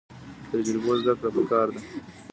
له تجربو زده کړه پکار ده